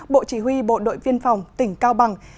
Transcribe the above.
bộ chỉ huy bộ đội biên phòng tỉnh cao bằng